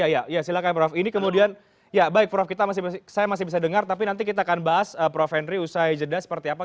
ya silahkan prof ini kemudian ya baik prof saya masih bisa dengar tapi nanti kita akan bahas prof henry usai jeda seperti apa